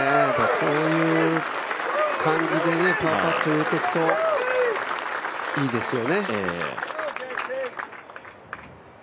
こういう感じでパーパット入れていくといいですよね。